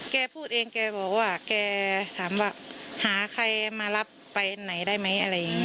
แกพูดเองแกบอกว่าแกถามว่าหาใครมารับไปไหนได้ไหม